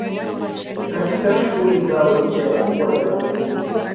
katika shughuli zao licha ya kuwa jambo hili